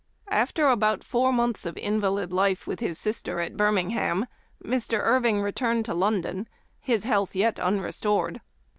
After about four months I of invalid life with his sister at Birmingham Mr. Irving returned to London, his health yet unrestored.